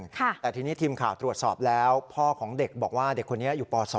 แต่ทีนี้ทีมข่าวตรวจสอบแล้วพ่อของเด็กบอกว่าเด็กคนนี้อยู่ป๒